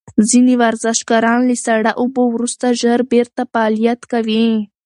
ځینې ورزشکاران له ساړه اوبو وروسته ژر بیرته فعالیت کوي.